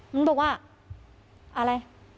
มันบอกว่าอะไร